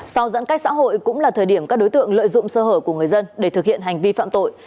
sau giãn cách xã hội cũng là thời điểm các đối tượng lợi dụng sơ hở của người dân để thực hiện hành vi phạm tội